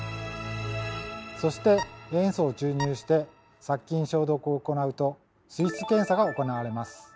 そして塩素を注入して殺菌消毒を行うと水質検査が行われます。